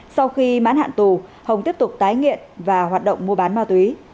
sau khi mãn hạn tù hồng tiếp tục tái nghiện và hoạt động mua bán ma túy